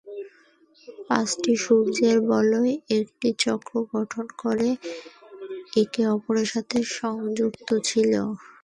পাঁচটি সূর্যের বলয় একটি চক্র গঠন করে একে অপরের সাথে সংযুক্ত ছিল।